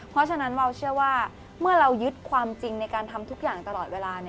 เพราะฉะนั้นวาวเชื่อว่าเมื่อเรายึดความจริงในการทำทุกอย่างตลอดเวลา